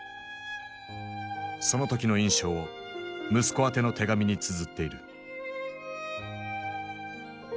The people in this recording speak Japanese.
その時の印象を息子宛ての手紙につづっている。